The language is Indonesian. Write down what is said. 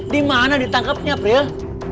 dimana ditangkapnya april